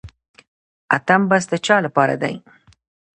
اتم بست د چا لپاره دی؟